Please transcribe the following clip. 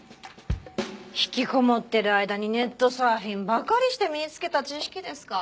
ひきこもってる間にネットサーフィンばかりして身につけた知識ですか。